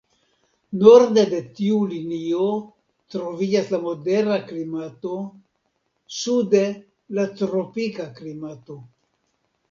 Norde de tiu linio troviĝas la modera klimato, sude la tropika klimato.